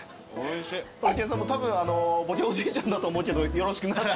ホリケンさんもたぶんぼけおじいちゃんだと思うけどよろしくなって。